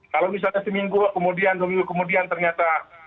kalau misalnya seminggu kemudian ternyata